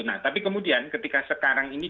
nah tapi kemudian ketika sekarang ini